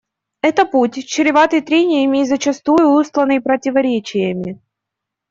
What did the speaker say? Это путь, чреватый трениями и зачастую устланный противоречиями.